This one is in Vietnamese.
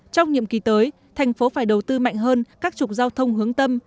trong nhiệm kỳ tới thành phố phải đầu tư mạnh hơn các trục giao thông hướng tâm